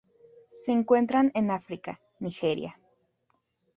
Se encuentran en África: Nigeria.